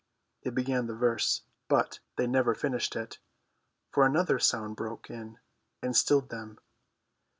They began the verse, but they never finished it, for another sound broke in and stilled them.